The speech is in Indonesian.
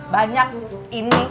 banyak ini ini meja itu itu